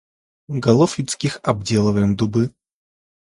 Голов людских обделываем дубы.